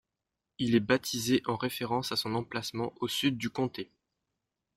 Il est baptisé en référence à son emplacement au sud du comté.